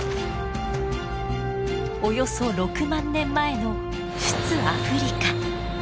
およそ６万年前の出・アフリカ。